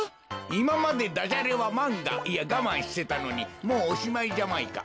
いままでダジャレはまんがいやがまんしてたのにもうおしまいジャマイカ。